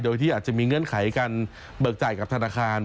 โดยที่อาจจะมีเงื่อนไขการเบิกจ่ายกับธนาคาร